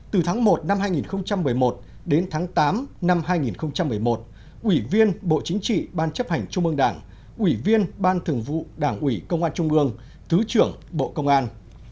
từ tháng một năm hai nghìn một mươi một đến tháng tám năm hai nghìn một mươi một ủy viên bộ chính trị ban chấp hành trung ương đảng ủy viên ban thường vụ đảng ủy công an trung ương thứ trưởng bộ công an